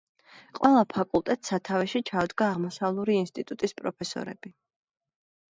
ყველა ფაკულტეტს სათავეში ჩაუდგა აღმოსავლური ინსტიტუტის პროფესორები.